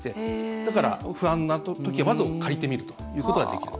だから、不安なときはまず借りてみるということができると。